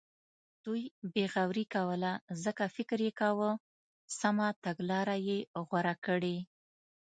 دوی بې غوري کوله ځکه فکر یې کاوه سمه تګلاره یې غوره کړې.